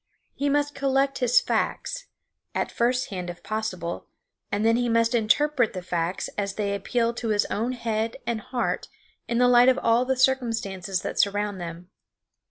He must collect his facts, at first hand if possible, and then he must interpret the facts as they appeal to his own head and heart in the light of all the circumstances that surround them.